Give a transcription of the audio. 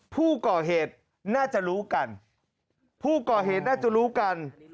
ผู้ก่อเหตุน่าจะรู้กันผู้ก่อเหตุน่าจะรู้กัน